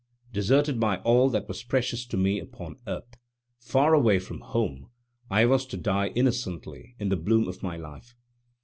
Deserted by all that was precious to me upon earth, far away from home, I was to die innocently in the bloom of my life.